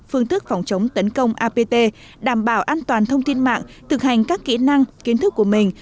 phương thức phòng chống tấn công apt đảm bảo an toàn thông tin mạng thực hành các kỹ năng kiến thức của mình